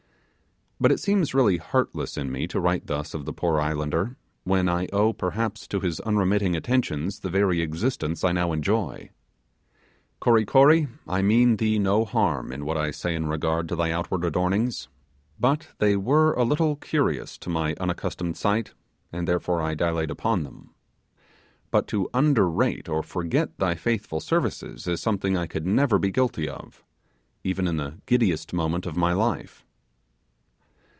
But it seems really heartless in me to write thus of the poor islander, when I owe perhaps to his unremitting attentions the very existence I now enjoy. Kory Kory, I mean thee no harm in what I say in regard to thy outward adornings; but they were a little curious to my unaccustomed sight, and therefore I dilate upon them. But to underrate or forget thy faithful services is something I could never be guilty of, even in the giddiest moment of my life.